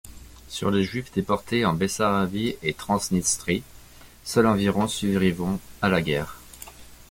Sur les Juifs déportés en Bessarabie et Transnistrie, seuls environ survivront à la guerre.